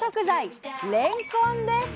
「れんこん」です。